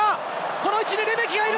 この位置でレメキがいる！